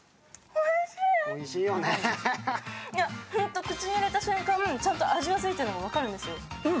ホント口に入れた瞬間、ちゃんと味がついてるのが分かるんです。